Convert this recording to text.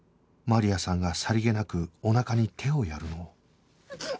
マリアさんがさりげなくおなかに手をやるのを